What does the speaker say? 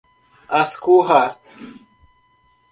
Ascurra